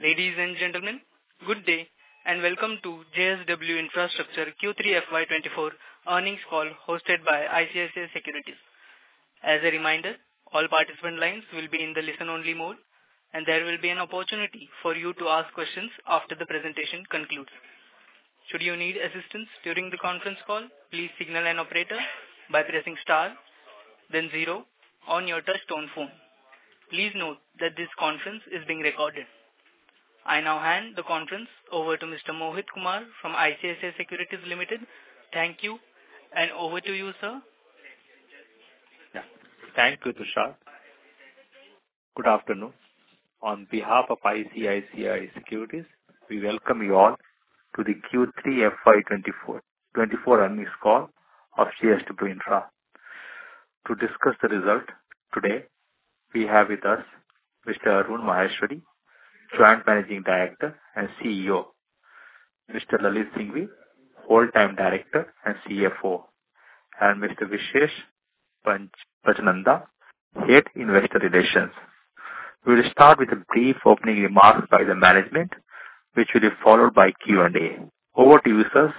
Ladies and gentlemen, good day, and welcome to JSW Infrastructure Q3 FY 2024 earnings call, hosted by ICICI Securities. As a reminder, all participant lines will be in the listen-only mode, and there will be an opportunity for you to ask questions after the presentation concludes. Should you need assistance during the conference call, please signal an operator by pressing star, then zero on your touchtone phone. Please note that this conference is being recorded. I now hand the conference over to Mr. Mohit Kumar from ICICI Securities Limited. Thank you, and over to you, sir. Yeah. Thank you, Tushar. Good afternoon. On behalf of ICICI Securities, we welcome you all to the Q3 FY 2024 earnings call of JSW Infra. To discuss the result today, we have with us Mr. Arun Maheshwari, Joint Managing Director and CEO; Mr. Lalit Singhvi, Whole-time Director and CFO; and Mr. Vishesh Panjwani, Head Investor Relations. We'll start with a brief opening remarks by the management, which will be followed by Q&A. Over to you, sir.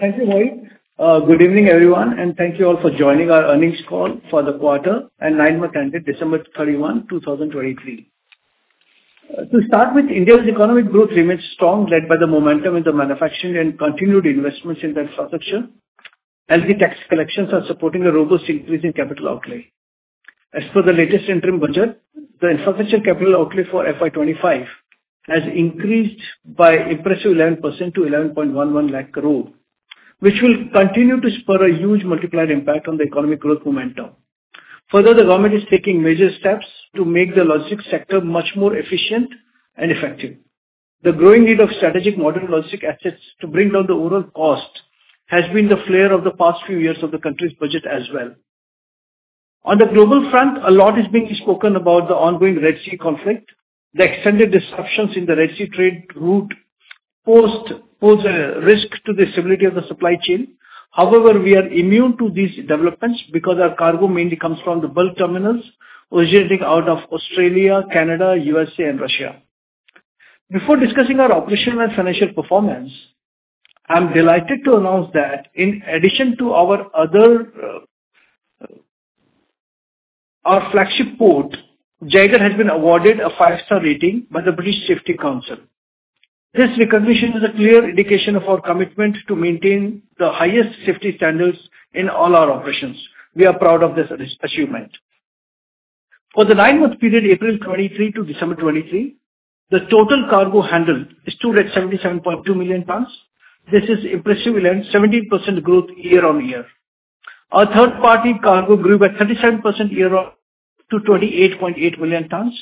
Thank you, Mohit. Good evening, everyone, and thank you all for joining our earnings call for the quarter and nine-month ended December 31, 2023. To start with, India's economic growth remains strong, led by the momentum in the manufacturing and continued investments in the infrastructure, as the tax collections are supporting a robust increase in capital outlay. As per the latest interim budget, the infrastructure capital outlay for FY25 has increased by impressive 11% to 1,111,000 crore, which will continue to spur a huge multiplier impact on the economic growth momentum. Further, the government is taking major steps to make the logistics sector much more efficient and effective. The growing need of strategic modern logistic assets to bring down the overall cost has been the flavor of the past few years of the country's budget as well. On the global front, a lot is being spoken about the ongoing Red Sea conflict. The extended disruptions in the Red Sea trade route post- pose a risk to the stability of the supply chain. However, we are immune to these developments because our cargo mainly comes from the bulk terminals originating out of Australia, Canada, USA and Russia. Before discussing our operational and financial performance, I'm delighted to announce that in addition to our other, Our flagship port, Jaigarh, has been awarded a five-star rating by the British Safety Council. This recognition is a clear indication of our commitment to maintain the highest safety standards in all our operations. We are proud of this, achievement. For the nine-month period, April 2023 to December 2023, the total cargo handled stood at 77.2 million tons. This is impressive 11.17% growth year-on-year. Our third-party cargo grew by 37% year-on-year to 28.8 million tons,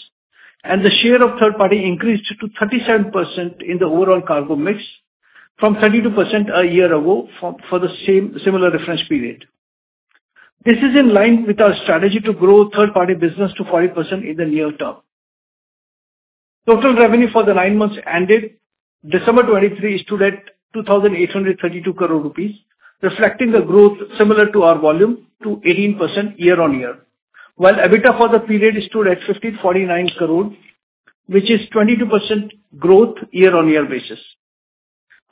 and the share of third-party increased to 37% in the overall cargo mix, from 32% a year ago for the same similar reference period. This is in line with our strategy to grow third-party business to 40% in the near term. Total revenue for the nine months ended December 2023 stood at 2,832 crore rupees, reflecting the growth similar to our volume to 18% year-on-year. While EBITDA for the period stood at 1,549 crore, which is 22% growth year-on-year basis.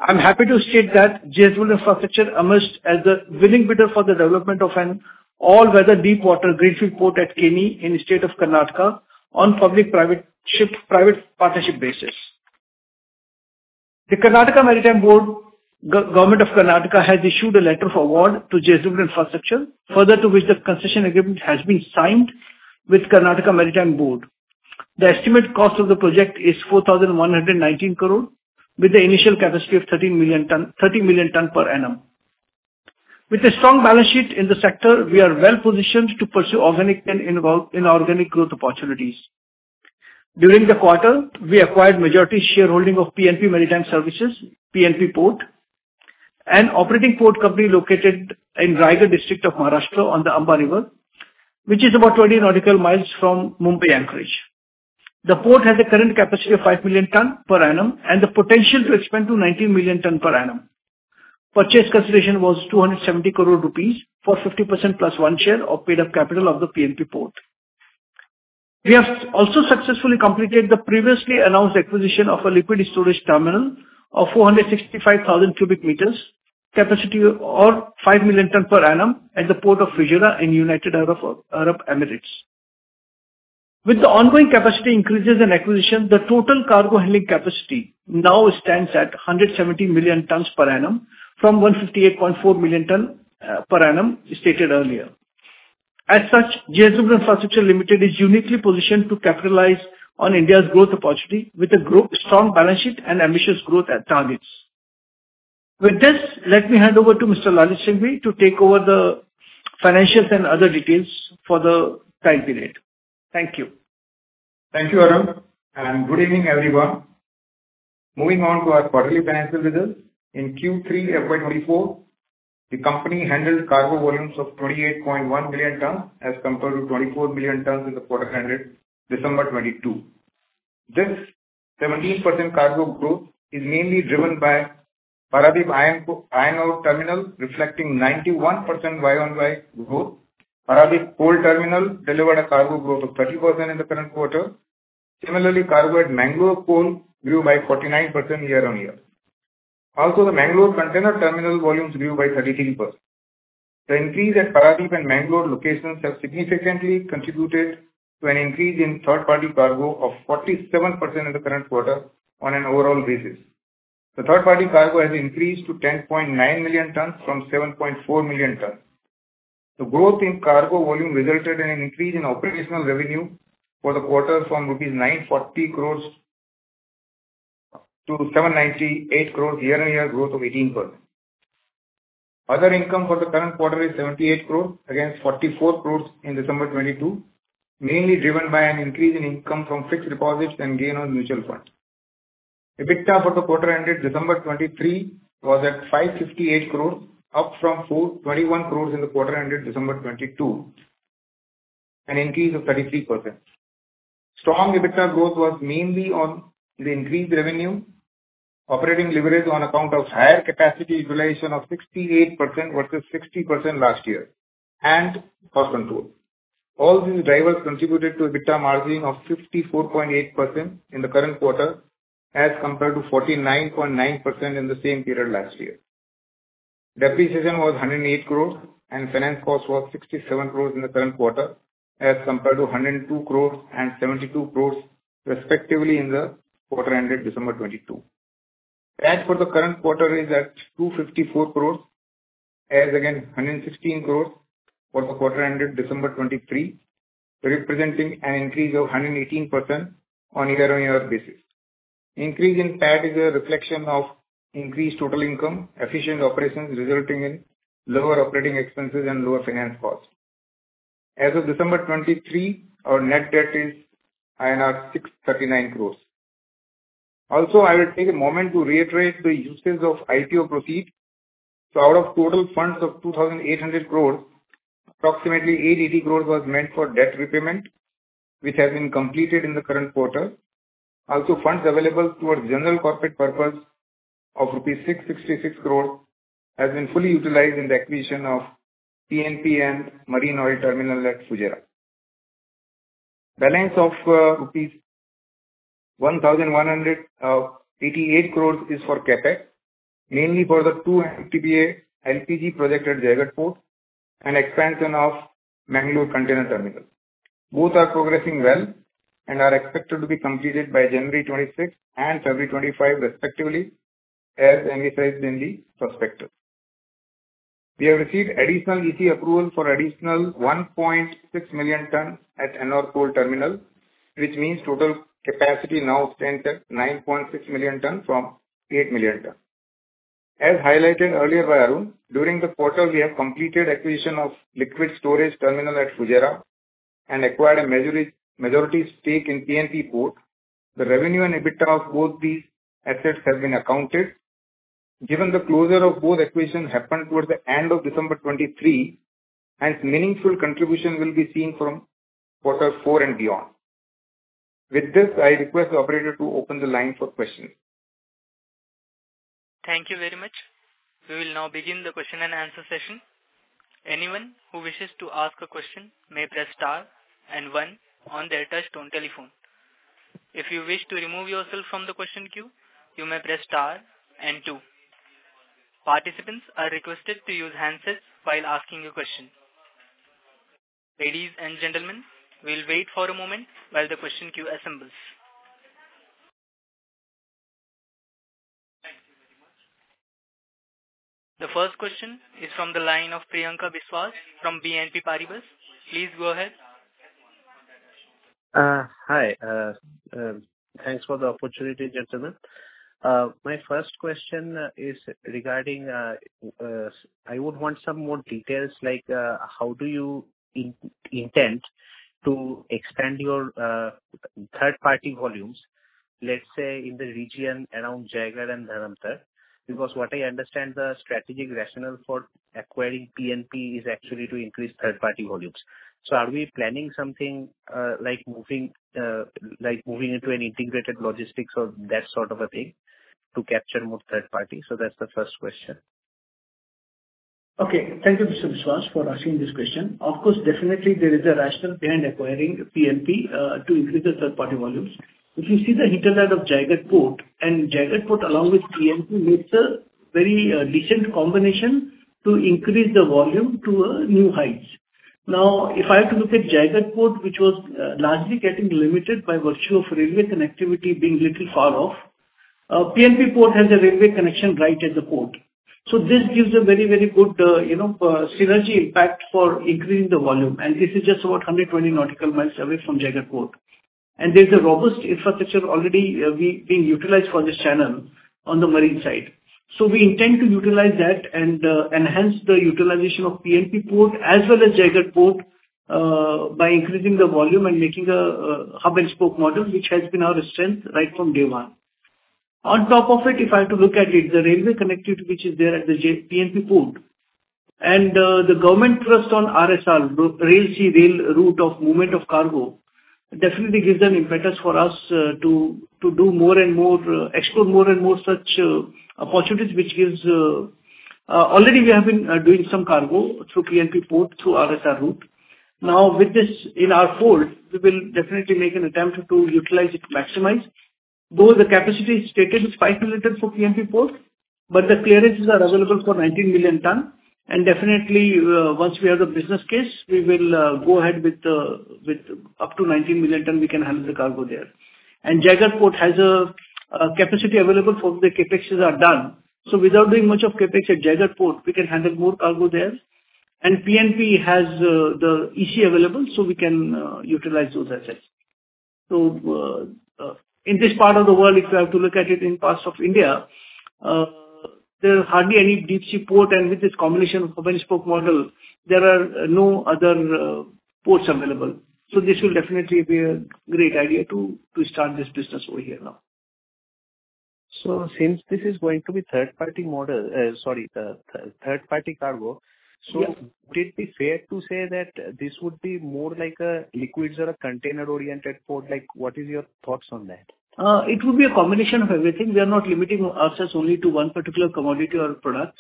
I'm happy to state that JSW Infrastructure emerged as the winning bidder for the development of an all-weather deep-water greenfield port at Keni, in the state of Karnataka, on public-private partnership basis. The Karnataka Maritime Board, Government of Karnataka, has issued a letter of award to JSW Infrastructure. Further to which the concession agreement has been signed with Karnataka Maritime Board. The estimated cost of the project is 4,119 crore, with the initial capacity of 13 million tonnes per annum. With a strong balance sheet in the sector, we are well positioned to pursue organic and inorganic growth opportunities. During the quarter, we acquired majority shareholding of PNP Maritime Services, PNP Port, an operating port company located in Raigad district of Maharashtra on the Amba River, which is about 20 nautical miles from Mumbai anchorage. The port has a current capacity of 5 million tonnes per annum, and the potential to expand to 19 million tonnes per annum. Purchase consideration was 270 crore rupees for 50% +1 share of paid-up capital of the PNP Port. We have also successfully completed the previously announced acquisition of a liquid storage terminal of 465,000 cubic meters, capacity of 5 million tons per annum at the port of Fujairah in United Arab Emirates. With the ongoing capacity increases in acquisition, the total cargo handling capacity now stands at 170 million tons per annum, from 158.4 million tons per annum stated earlier. As such, JSW Infrastructure Limited is uniquely positioned to capitalize on India's growth opportunity with a strong balance sheet and ambitious growth targets. With this, let me hand over to Mr. Lalit Singhvi to take over the financials and other details for the time period. Thank you. Thank you, Arun, and good evening, everyone. Moving on to our quarterly financial results. In Q3 FY 2024, the company handled cargo volumes of 28.1 million tons, as compared to 24 million tons in the quarter ended December 2022. This 17% cargo growth is mainly driven by-... Paradip Iron Ore Terminal reflecting 91% Y-o-Y growth. Paradip Coal Terminal delivered a cargo growth of 30% in the current quarter. Similarly, cargo at Mangalore Coal grew by 49% year on year. Also, the Mangalore Container Terminal volumes grew by 33%. The increase at Paradip and Mangalore locations have significantly contributed to an increase in third party cargo of 47% in the current quarter on an overall basis. The third party cargo has increased to 10.9 million tons from 7.4 million tons. The growth in cargo volume resulted in an increase in operational revenue for the quarter from 798 crore to INR 940 crore, year-on-year growth of 18%. Other income for the current quarter is 78 crores against 44 crores in December 2022, mainly driven by an increase in income from fixed deposits and gain on mutual funds. EBITDA for the quarter ended December 2023 was at 558 crores, up from 421 crores in the quarter ended December 2022, an increase of 33%. Strong EBITDA growth was mainly on the increased revenue, operating leverage on account of higher capacity utilization of 68% versus 60% last year, and cost control. All these drivers contributed to EBITDA margin of 64.8% in the current quarter, as compared to 49.9% in the same period last year. Depreciation was 108 crores, and finance cost was 67 crores in the current quarter, as compared to 102 crores and 72 crores, respectively, in the quarter ended December 2022. As for the current quarter is at 254 crore, as against 116 crore for the quarter ended December 2023, representing an increase of 118% on year-on-year basis. Increase in PAT is a reflection of increased total income, efficient operations resulting in lower operating expenses and lower finance costs. As of December 2023, our net debt is INR 639 crore. Also, I will take a moment to reiterate the usage of IPO proceeds. So out of total funds of 2,800 crore, approximately 880 crore was meant for debt repayment, which has been completed in the current quarter. Also, funds available towards general corporate purpose of rupees 666 crore has been fully utilized in the acquisition of PNP and Marine Oil Terminal at Fujairah. Balance of rupees 1,188 crores is for CapEx, mainly for the 2 MTPA LPG project at Jaigarh Port and expansion of Mangalore Container Terminal. Both are progressing well and are expected to be completed by January 2026 and February 2025, respectively, as emphasized in the prospectus. We have received additional EC approval for additional 1.6 million tons at Ennore Coal Terminal, which means total capacity now stands at 9.6 million tons from 8 million tons. As highlighted earlier by Arun, during the quarter, we have completed acquisition of liquid storage terminal at Fujairah and acquired a majority stake in PNP Port. The revenue and EBITDA of both these assets have been accounted. Given the closure of both acquisitions happened towards the end of December 2023, a meaningful contribution will be seen from quarter four and beyond. With this, I request the operator to open the line for questions. Thank you very much. We will now begin the question and answer session. Anyone who wishes to ask a question may press star and one on their touchtone telephone. If you wish to remove yourself from the question queue, you may press star and two. Participants are requested to use handsets while asking a question. Ladies and gentlemen, we'll wait for a moment while the question queue assembles. Thank you very much. The first question is from the line of Priyankar Biswas from BNP Paribas. Please go ahead. Hi, thanks for the opportunity, gentlemen. My first question is regarding, I would want some more details, like, how do you intend to expand your third-party volumes, let's say, in the region around Jaigarh and Dharamtar? Because what I understand, the strategic rationale for acquiring PNP is actually to increase third-party volumes. So are we planning something, like moving, like, moving into an integrated logistics or that sort of a thing to capture more third party? So that's the first question. Okay. Thank you, Mr. Biswas, for asking this question. Of course, definitely there is a rationale behind acquiring PNP, to increase the third-party volumes. If you see the hinterland of Jaigarh Port, and Jaigarh Port, along with PNP, makes a very, decent combination to increase the volume to, new heights. Now, if I have to look at Jaigarh Port, which was, largely getting limited by virtue of railway connectivity being little far off, PNP Port has a railway connection right at the port. So this gives a very, very good, you know, synergy impact for increasing the volume. And this is just about 120 nautical miles away from Jaigarh Port. And there's a robust infrastructure already, well, being utilized for this channel on the marine side. So we intend to utilize that and, enhance the utilization of PNP Port, as well as Jaigarh Port, by increasing the volume and making a, hub-and-spoke model, which has been our strength right from day one. On top of it, if I have to look at it, the railway connectivity which is there at the Jaigarh-PNP Port-... And, the government trust on RSR, the rail-sea-rail route of movement of cargo, definitely gives an impetus for us, to do more and more, explore more and more such opportunities, which, already we have been doing some cargo through PNP Port, through RSR route. Now, with this in our port, we will definitely make an attempt to utilize it to maximize. Though the capacity stated is 5 million for PNP Port, but the clearances are available for 19 million ton. And definitely, once we have the business case, we will go ahead with up to 19 million ton, we can handle the cargo there. And Jaigarh Port has a capacity available for the CapExes are done. So without doing much of CapEx at Jaigarh Port, we can handle more cargo there. PNP has the EC available, so we can utilize those assets. So, in this part of the world, if you have to look at it in parts of India, there are hardly any deep sea port, and with this combination of hub-and-spoke model, there are no other ports available. So this will definitely be a great idea to, to start this business over here now. Since this is going to be the third-party cargo- Yeah. Would it be fair to say that this would be more like a liquids or a container-oriented port? Like, what is your thoughts on that? It would be a combination of everything. We are not limiting ourselves only to one particular commodity or product.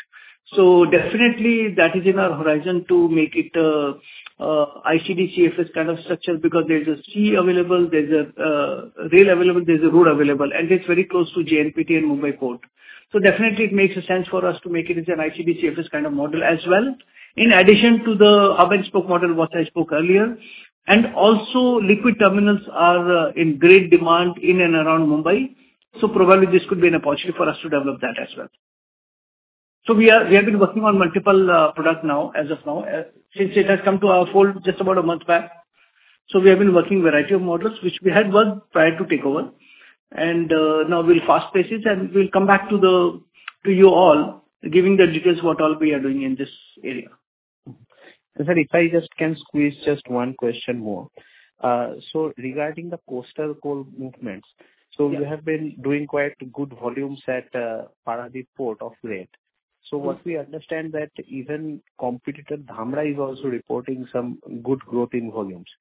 So definitely that is in our horizon to make it ICD CFS kind of structure, because there's a sea available, there's a rail available, there's a road available, and it's very close to JNPT and Mumbai Port. So definitely it makes sense for us to make it as an ICD CFS kind of model as well, in addition to the hub-and-spoke model what I spoke earlier. And also, liquid terminals are in great demand in and around Mumbai, so probably this could be an opportunity for us to develop that as well. So we are, we have been working on multiple product now, as of now, since it has come to our fold just about a month back. We have been working variety of models, which we had worked prior to takeover. Now we'll fast-pace it, and we'll come back to the, to you all, giving the details what all we are doing in this area. And then if I just can squeeze just one question more. So regarding the coastal coal movements- Yeah. So we have been doing quite good volumes at Paradip Port of late. Yes. So what we understand that even competitor Dhamra is also reporting some good growth in volumes.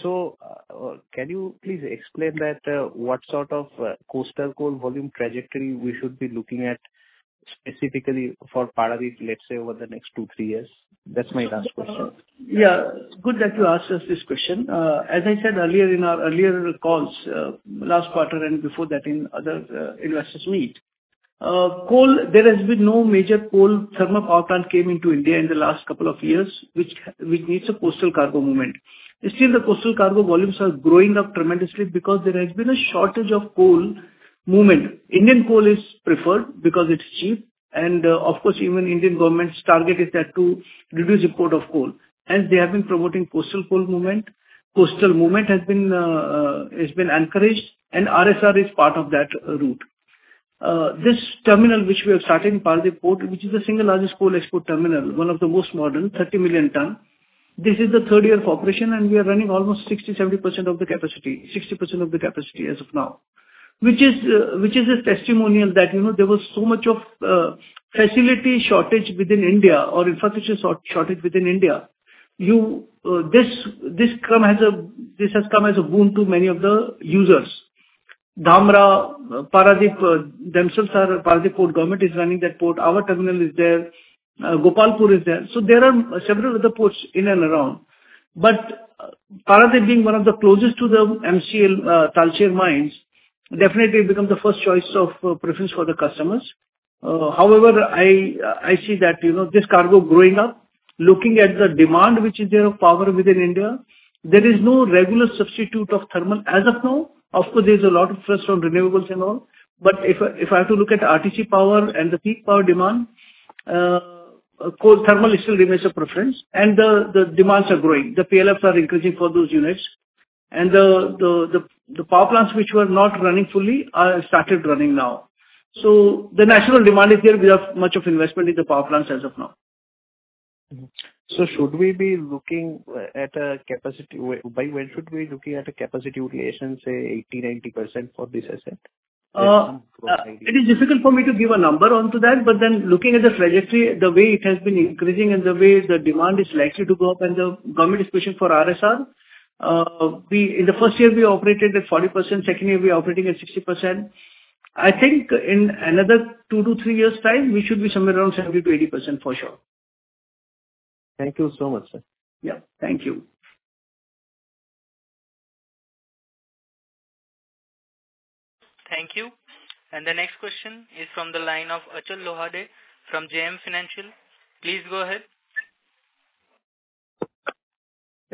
So, can you please explain that, what sort of coastal coal volume trajectory we should be looking at specifically for Paradip, let's say, over the next 2-3 years? That's my last question. Yeah, good that you asked us this question. As I said earlier in our earlier calls, last quarter and before that in other investors' meet, coal, there has been no major coal thermal power plant came into India in the last couple of years, which needs a coastal cargo movement. Still, the coastal cargo volumes are growing up tremendously because there has been a shortage of coal movement. Indian coal is preferred because it's cheap, and, of course, even Indian government's target is that to reduce import of coal. As they have been promoting coastal coal movement, coastal movement has been encouraged, and RSR is part of that route. This terminal which we have started in Paradip Port, which is the single largest coal export terminal, one of the most modern, 30 million ton. This is the third year of operation, and we are running almost 60%-70% of the capacity, 60% of the capacity as of now. Which is, which is a testimonial that, you know, there was so much of, facility shortage within India or infrastructure shortage within India. You, this, this come as a, this has come as a boon to many of the users. Dhamra, Paradip, themselves are, Paradip Port government is running that port. Our terminal is there, Gopalpur is there. So there are several other ports in and around. But Paradip being one of the closest to the MCL, Talcher mines, definitely become the first choice of, preference for the customers. However, I, I see that, you know, this cargo growing up, looking at the demand which is there of power within India, there is no regular substitute of thermal. As of now, of course, there's a lot of thrust on renewables and all, but if, if I have to look at RTC power and the peak power demand, coal, thermal still remains a preference, and the power plants which were not running fully are started running now. So the national demand is there, without much of investment in the power plants as of now. So should we be looking at a capacity by when should we be looking at a capacity utilization, say, 80%-90% for this asset? It is difficult for me to give a number onto that, but then looking at the trajectory, the way it has been increasing and the way the demand is likely to go up, and the government is pushing for RSR, we, in the first year we operated at 40%, second year we operating at 60%. I think in another 2-3 years' time, we should be somewhere around 70%-80%, for sure. Thank you so much, sir. Yeah. Thank you. Thank you. The next question is from the line of Achal Lohade from JM Financial. Please go ahead.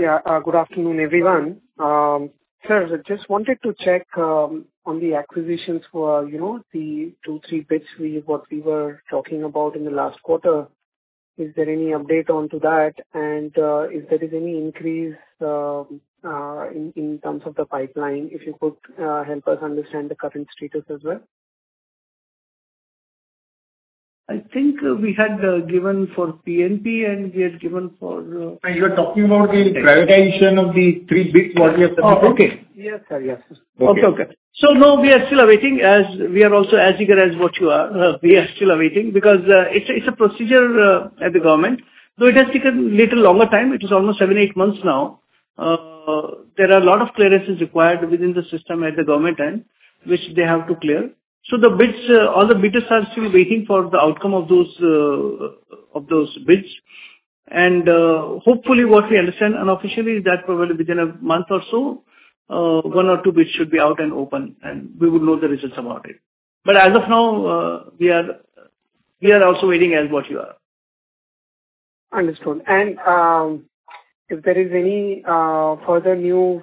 Yeah, good afternoon, everyone. Sir, I just wanted to check on the acquisitions for, you know, the two, three bits we, what we were talking about in the last quarter. Is there any update onto that? And, if there is any increase in terms of the pipeline, if you could help us understand the current status as well. I think we had given for PNP, and we had given for... You are talking about the privatization of the three big bodies- Oh, okay... Yes, sir. Yes. Okay, okay. So now we are still awaiting, as we are also as eager as what you are. We are still awaiting because, it's a, it's a procedure, at the government. So it has taken little longer time, it is almost 7-8 months now. There are a lot of clearances required within the system at the government end, which they have to clear. So the bids, all the bidders are still waiting for the outcome of those, of those bids. And, hopefully, what we understand unofficially, that probably within a month or so, 1 or 2 bids should be out and open, and we would know the results about it. But as of now, we are, we are also waiting as what you are. Understood. And, if there is any further new,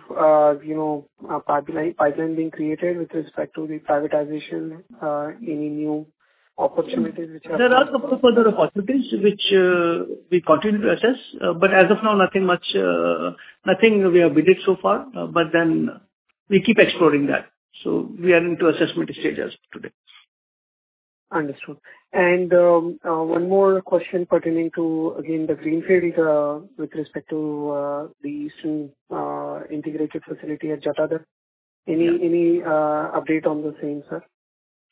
you know, pipeline being created with respect to the privatization, any new opportunities which are- There are couple further opportunities which we continue to assess. But as of now, nothing much, nothing we have bidded so far, but then we keep exploring that. So we are into assessment stages today. Understood. And one more question pertaining to, again, the greenfield with respect to the eastern integrated facility at Jatadhar. Yeah. Any update on the same, sir?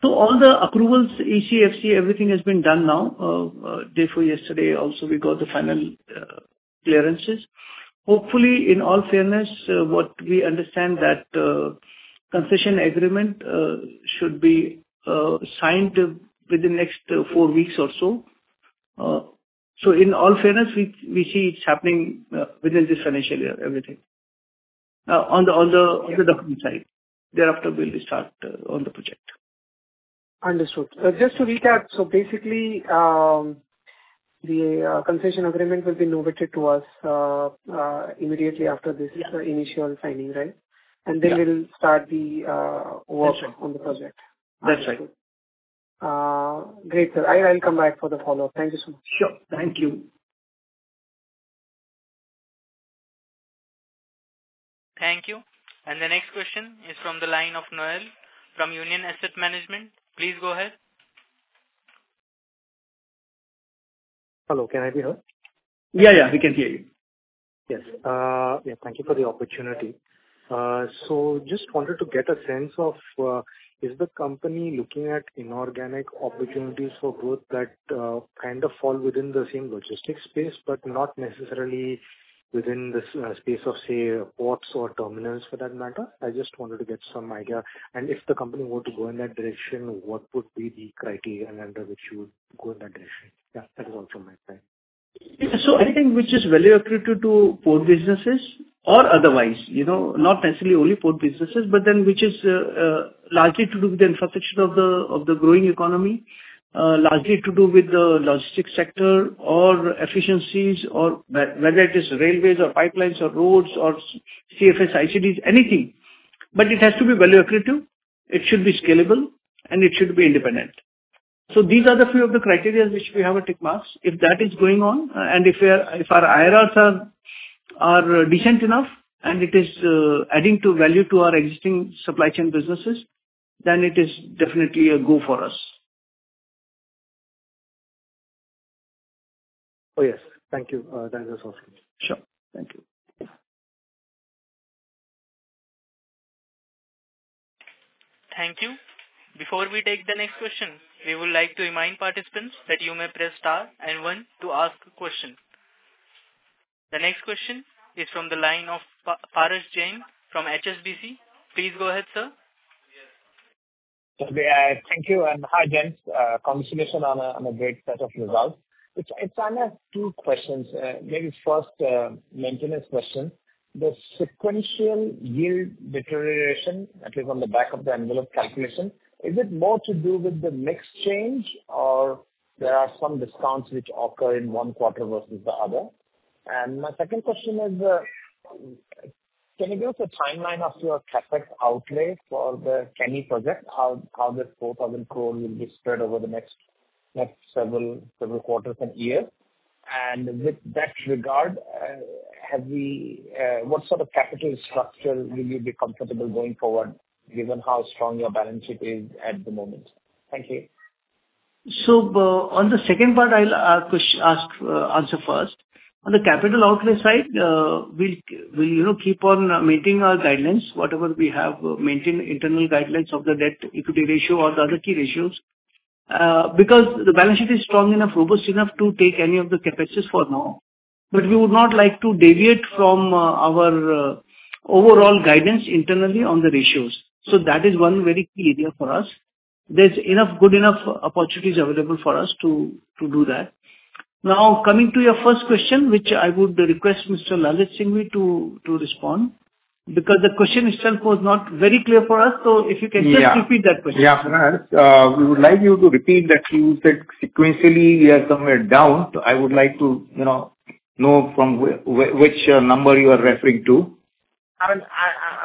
So all the approvals, EC, everything has been done now. Day before yesterday also, we got the final clearances. Hopefully, in all fairness, what we understand that, concession agreement should be signed within next 4 weeks or so. So in all fairness, we, we see it happening within this financial year, everything on the, on the, on the document side. Thereafter, we'll start on the project. Understood. Just to recap, so basically, the concession agreement will be novated to us immediately after this- Yeah. - initial signing, right? Yeah. And then we'll start the That's right. - work on the project. That's right. Great, sir. I'll come back for the follow-up. Thank you so much. Sure. Thank you. Thank you. And the next question is from the line of Noel from Union Asset Management. Please go ahead. Hello, can I be heard? Yeah, yeah, we can hear you. Yes. Yeah, thank you for the opportunity. So just wanted to get a sense of, is the company looking at inorganic opportunities for growth that, kind of fall within the same logistics space, but not necessarily within this, space of, say, ports or terminals for that matter? I just wanted to get some idea. And if the company were to go in that direction, what would be the criteria under which you would go in that direction? Yeah, that is all from my side. So anything which is value accretive to port businesses or otherwise, you know, not necessarily only port businesses, but then which is largely to do with the infrastructure of the growing economy, largely to do with the logistics sector or efficiencies, or whether it is railways or pipelines or roads or CFS, ICDs, anything. But it has to be value accretive, it should be scalable, and it should be independent. So these are the few of the criteria which we have a tick marks. If that is going on, and if our IRRs are decent enough, and it is adding to value to our existing supply chain businesses, then it is definitely a go for us. Oh, yes. Thank you. That is awesome. Sure. Thank you. Thank you. Before we take the next question, we would like to remind participants that you may press star and one to ask a question. The next question is from the line of Paras Jain from HSBC. Please go ahead, sir. Okay, thank you, and hi, gents. Congratulations on a great set of results. It's on two questions. Maybe first, maintenance question. The sequential yield deterioration, at least on the back of the envelope calculation, is it more to do with the mix change, or there are some discounts which occur in one quarter versus the other? And my second question is, can you give us a timeline of your CapEx outlay for the Keni project? How the 4,000 crore will be spread over the next several quarters and year. And with that regard, what sort of capital structure will you be comfortable going forward, given how strong your balance sheet is at the moment? Thank you. So, on the second part, I'll answer first. On the capital outlay side, we'll, you know, keep on maintaining our guidelines. Whatever we have, maintain internal guidelines of the debt equity ratio or the other key ratios. Because the balance sheet is strong enough, robust enough to take any of the CapExes for now. But we would not like to deviate from our overall guidance internally on the ratios. So that is one very key area for us. There's enough good enough opportunities available for us to do that. Now, coming to your first question, which I would request Mr. Lalit Singhvi to respond, because the question itself was not very clear for us. So if you can just- Yeah. Repeat that question. Yeah, we would like you to repeat that. You said sequentially we are somewhere down. So I would like to, you know, know from which number you are referring to.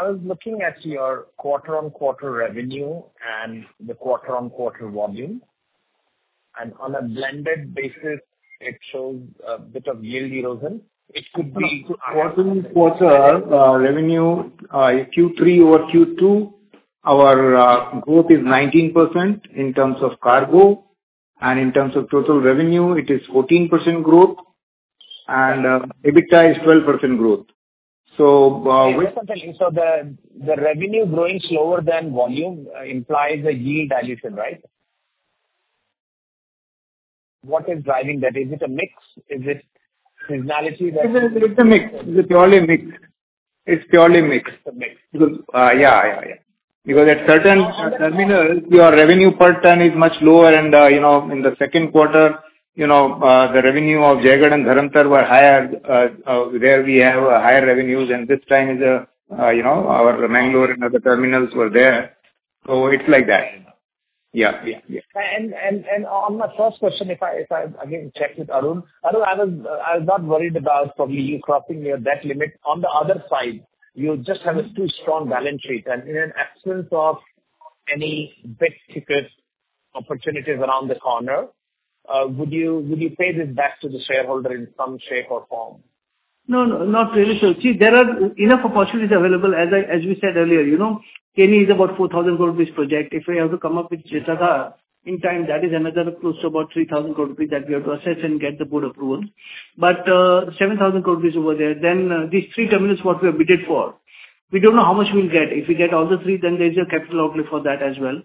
I was looking at your quarter-on-quarter revenue and the quarter-on-quarter volume. On a blended basis, it shows a bit of yield erosion. It could be- Quarter-over-quarter, revenue, Q3 over Q2, our growth is 19% in terms of cargo, and in terms of total revenue, it is 14% growth.... and, EBITDA is 12% growth. So, with- So the revenue growing slower than volume implies a yield dilution, right? What is driving that? Is it a mix? Is it seasonality that- It's a mix. It's purely mix. A mix. Yeah, yeah, yeah. Because at certain terminals, your revenue per ton is much lower and, you know, in the second quarter, you know, the revenue of Jaigarh and Dharamtar were higher. There we have higher revenues, and this time is, you know, our Mangalore and other terminals were there. So it's like that. Yeah, yeah, yeah. On my first question, if I again check with Arun. Arun, I was not worried about probably you crossing your debt limit. On the other side, you just have a too strong balance sheet, and in an absence of any big ticket opportunities around the corner, would you pay this back to the shareholder in some shape or form? No, no, not really sure. See, there are enough opportunities available. As I, as we said earlier, you know, Keni is about 4,000 crore rupees project. If we have to come up with Jatadhar in time, that is another close to about 3,000 crore rupees that we have to assess and get the board approval. But, 7,000 crore rupees over there, then, these three terminals, what we have bidded for. We don't know how much we'll get. If we get all the three, then there's a capital outlay for that as well.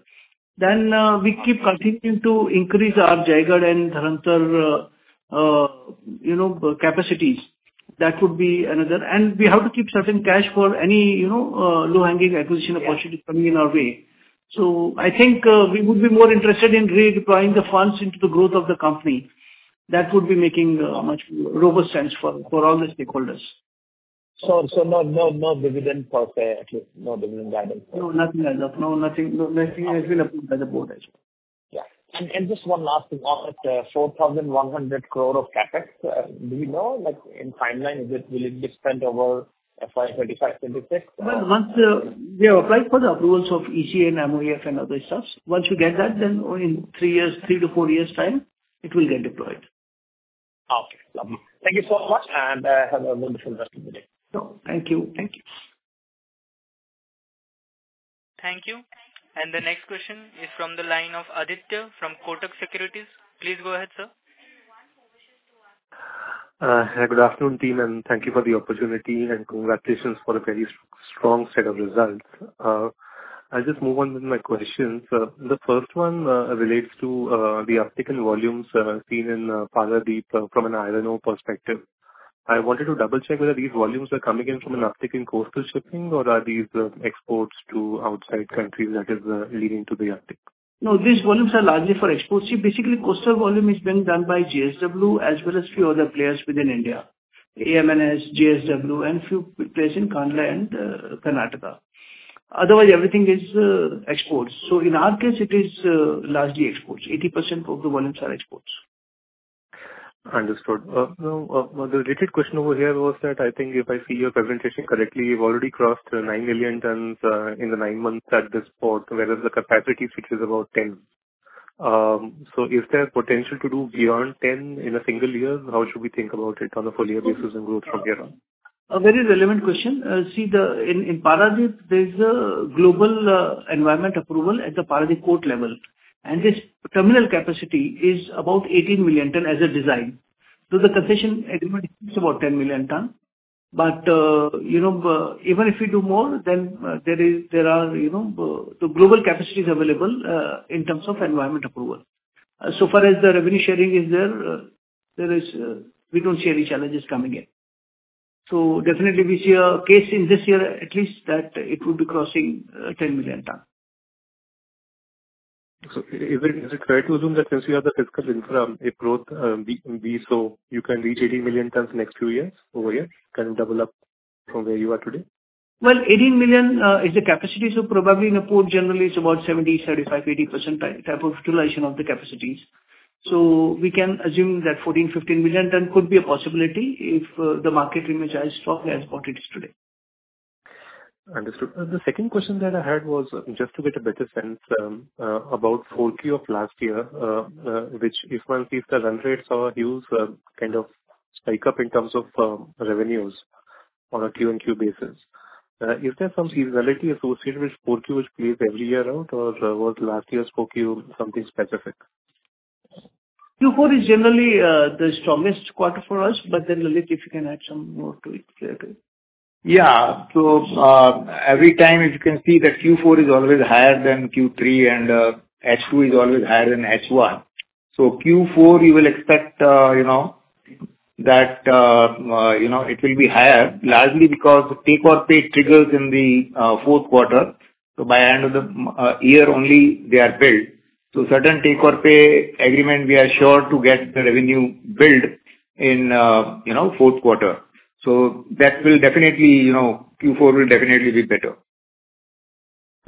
Then, we keep continuing to increase our Jaigarh and Dharamtar, you know, capacities. That would be another. And we have to keep certain cash for any, you know, low-hanging acquisition- Yeah. -opportunity coming in our way. So I think, we would be more interested in redeploying the funds into the growth of the company. That would be making, much more robust sense for, for all the stakeholders. So, no dividend per se, at least no dividend guidance? No, nothing as of... No, nothing, no, nothing has been approved by the board as of yet. Yeah. And just one last thing. On 4,100 crore of CapEx, do we know, like, in timeline, is it, will it be spent over FY 2025, 2026? Well, once we have applied for the approvals of EC and MOEF and other stuff. Once you get that, then in 3 years, 3-4 years' time, it will get deployed. Okay. Lovely. Thank you so much, and have a wonderful rest of the day. Sure. Thank you. Thank you. Thank you. The next question is from the line of Aditya from Kotak Securities. Please go ahead, sir. Hi, good afternoon, team, and thank you for the opportunity, and congratulations for a very strong set of results. I'll just move on with my questions. The first one relates to the uptick in volumes seen in Paradip from an iron ore perspective. I wanted to double-check whether these volumes are coming in from an uptick in coastal shipping, or are these exports to outside countries that is leading to the uptick? No, these volumes are largely for exports. See, basically, coastal volume is being done by JSW as well as few other players within India. AMNS, JSW, and few players in Kandla and Karnataka. Otherwise, everything is exports. So in our case, it is largely exports. 80% of the volumes are exports. Understood. Now, the related question over here was that, I think if I see your presentation correctly, you've already crossed 9 million tons in the 9 months at this port, whereas the capacity, which is about 10. So is there potential to do beyond 10 in a single year? How should we think about it on a full year basis and growth from there on? A very relevant question. See, in Paradip, there's a global environmental approval at the Paradip port level, and this terminal capacity is about 18 million ton as a design. So the concession agreement is about 10 million ton. But, you know, even if we do more, then there is, there are, you know, the global capacities available in terms of environmental approval. So far as the revenue sharing is there, there is, we don't see any challenges coming in. So definitely we see a case in this year, at least, that it would be crossing 10 million ton. So is it fair to assume that since you have the fiscal in from April, so you can reach 18 million tons next few years over here, can double up from where you are today? Well, 18 million is the capacity, so probably in the port generally it's about 70, 75, 80% type of utilization of the capacities. So we can assume that 14-15 million ton could be a possibility if the market remains as strong as what it is today. Understood. The second question that I had was just to get a better sense about full Q4 of last year, which, well, if the run rates or yields kind of spike up in terms of revenues on a Q-on-Q basis. Is there some seasonality associated with Q4, which plays every year out, or was last year's Q4 something specific? Q4 is generally the strongest quarter for us, but then, Lalit, if you can add some more to it clearly. Yeah. So, every time, as you can see, that Q4 is always higher than Q3, and, H2 is always higher than H1. So Q4 you will expect, you know, that, you know, it will be higher, largely because the take-or-pay triggers in the, fourth quarter. So by end of the year only, they are paid. So certain take-or-pay agreement, we are sure to get the revenue billed in, you know, fourth quarter. So that will definitely, you know, Q4 will definitely be better.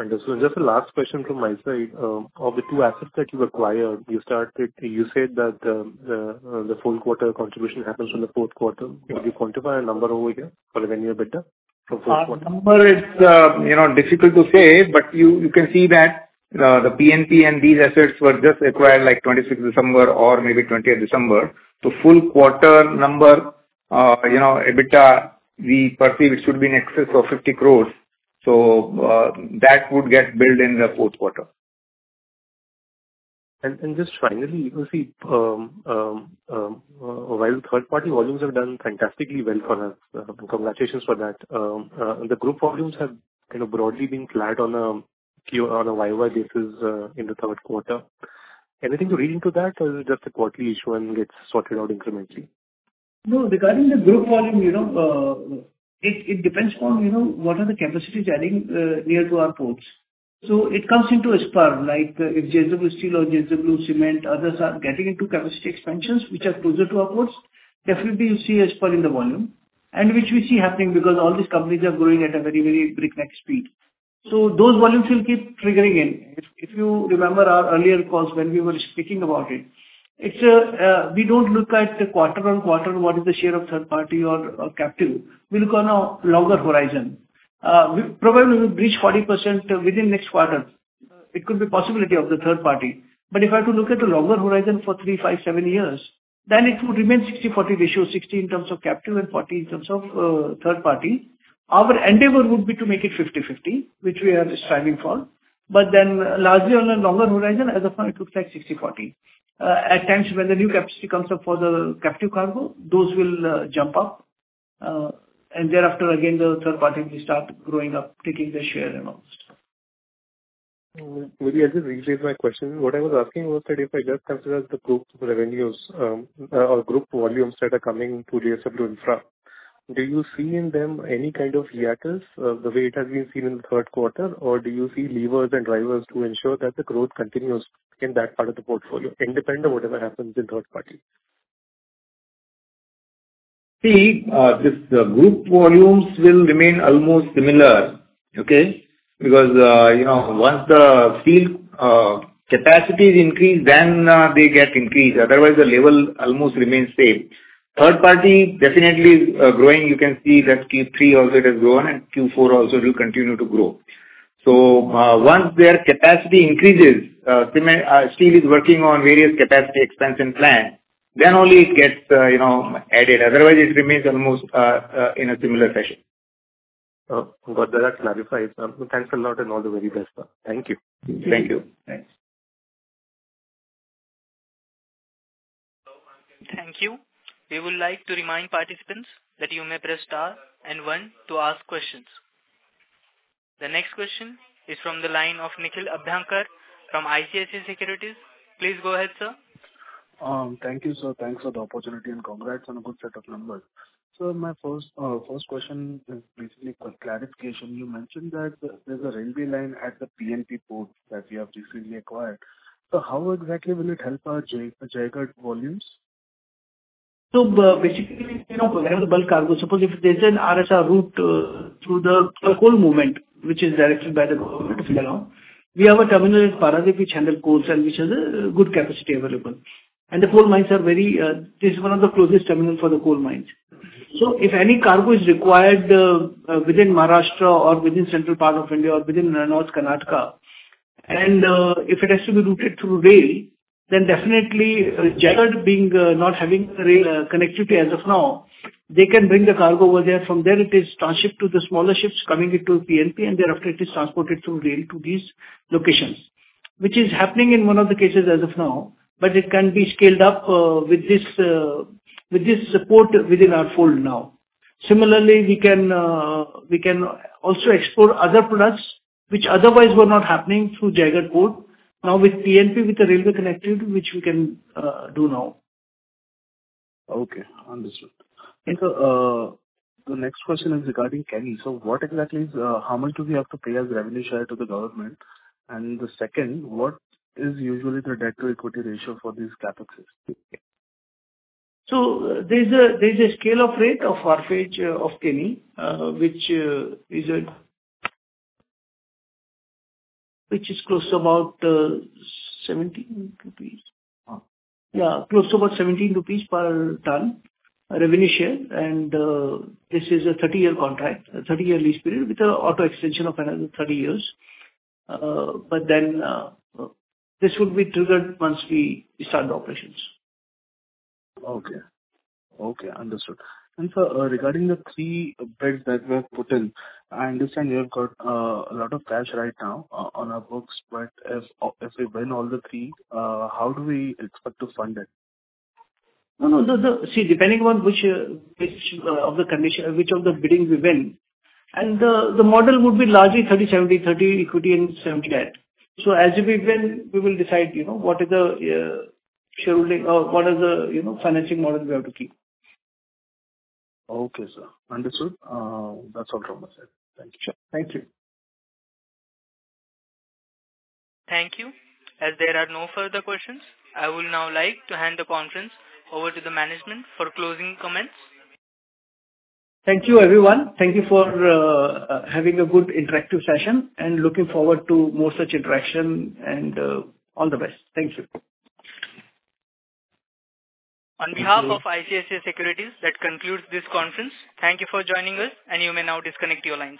Understood. Just the last question from my side. Of the two assets that you acquired, you said that the full quarter contribution happens in the fourth quarter. Yeah. Can you quantify a number over here for the whole year better for fourth quarter? Number it's, you know, difficult to say, but you, you can see that, the PNP and these assets were just acquired like twenty-sixth December or maybe twentieth December. The full quarter number, you know, EBITDA, we perceive it should be in excess of 50 crore. So, that would get billed in the fourth quarter. Just finally, you see, while third party volumes have done fantastically well for us, congratulations for that. The group volumes have kind of broadly been flat on a Q-o-Q, on a Y-o-Y basis, in the third quarter. Anything to read into that, or is it just a quarterly issue and it gets sorted out incrementally? No, regarding the group volume, you know, it depends on, you know, what are the capacity adding near to our ports. So it comes into a spur, like, if JSW Steel or JSW Cement, others are getting into capacity expansions which are closer to our ports, definitely you see a spur in the volume. And which we see happening because all these companies are growing at a very, very breakneck speed. So those volumes will keep triggering in. If you remember our earlier calls when we were speaking about it, it's we don't look at the quarter-over-quarter, what is the share of third-party or captive. We look on a longer horizon. We probably will reach 40% within next quarter. It could be possibility of the third-party. But if I have to look at the longer horizon for 3, 5, 7 years, then it would remain 60/40 ratio. 60 in terms of captive and 40 in terms of third party. Our endeavor would be to make it 50/50, which we are striving for. But then largely on a longer horizon, as of now, it looks like 60/40. At times when the new capacity comes up for the captive cargo, those will jump up, and thereafter again, the third party will start growing up, taking the share and all. Maybe I'll just reiterate my question. What I was asking was that if I just consider the group's revenues, or group volumes that are coming to JSW Infra, do you see in them any kind of reactors, the way it has been seen in the third quarter? Or do you see levers and drivers to ensure that the growth continues in that part of the portfolio, independent of whatever happens in third party? See, this, group volumes will remain almost similar. Okay? Because, you know, once the steel, capacity is increased, then, they get increased, otherwise the level almost remains same. Third party definitely is, growing. You can see that Q3 also it has grown, and Q4 also will continue to grow. So, once their capacity increases, cement... Steel is working on various capacity expansion plan, then only it gets, you know, added. Otherwise, it remains almost, in a similar fashion. Oh, got that clarified, sir. Thanks a lot and all the very best. Thank you. Thank you. Thanks. Thank you. We would like to remind participants that you may press star and one to ask questions. The next question is from the line of Nikhil Abhyankar from ICICI Securities. Please go ahead, sir. Thank you, sir. Thanks for the opportunity, and congrats on a good set of numbers. So my first question is basically for clarification. You mentioned that there's a railway line at the PNP Port that you have recently acquired. So how exactly will it help our Jaigarh volumes? So, basically, you know, we have the bulk cargo. Suppose if there's an RSR route, through the, for coal movement, which is directed by the government to move along, we have a terminal in Paradip which handles coals and which has a good capacity available. And the coal mines are very, this is one of the closest terminal for the coal mines. So if any cargo is required, within Maharashtra or within central part of India or within, North Karnataka, and, if it has to be routed through rail, then definitely, Jaigarh being, not having rail, connectivity as of now, they can bring the cargo over there. From there it is transshipped to the smaller ships coming into PNP, and thereafter it is transported through rail to these locations. Which is happening in one of the cases as of now, but it can be scaled up, with this, with this support within our fold now. Similarly, we can, we can also explore other products which otherwise were not happening through Jaigarh Port. Now, with PNP, with the railway connectivity, which we can, do now. Okay, understood. And so, the next question is regarding Keni. So what exactly is, how much do we have to pay as revenue share to the government? And the second, what is usually the debt-to-equity ratio for these CapExes? So there's a scale of rate of wharfage of Keni, which is close to about 17 rupees. Yeah, close to about 17 rupees per ton revenue share, and this is a 30-year contract, a 30-year lease period with a auto extension of another 30 years. But then, this will be triggered once we start the operations. Okay. Okay, understood. And so, regarding the three bids that we have put in, I understand you have got a lot of cash right now on our books, but as if we win all the three, how do we expect to fund it? No, no. See, depending on which of the biddings we win, and the model would be largely 30/70, 30 equity and 70 debt. So as we win, we will decide, you know, what is the scheduling, what is the, you know, financing model we have to keep. Okay, sir. Understood. That's all from my side. Thank you, sir. Thank you. Thank you. As there are no further questions, I would now like to hand the conference over to the management for closing comments. Thank you, everyone. Thank you for having a good interactive session, and looking forward to more such interaction, and all the best. Thank you. On behalf of ICICI Securities, that concludes this conference. Thank you for joining us, and you may now disconnect your lines.